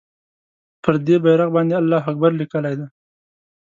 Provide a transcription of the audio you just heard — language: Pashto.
پر دې بېرغ باندې الله اکبر لیکلی دی.